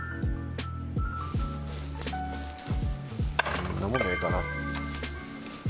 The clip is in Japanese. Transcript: こんなもんでええかな。